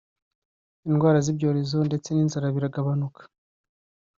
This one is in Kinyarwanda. indwara z’ ibyorezo ndetse n’ inzara biragabanuka